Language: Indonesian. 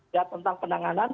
ya tentang penanganan